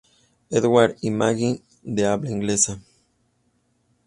Edwards y Magee de habla inglesa.